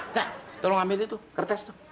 eh nah tolong ambil itu kertas itu